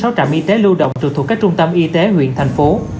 các trạm y tế lưu động được thuộc các trung tâm y tế huyện thành phố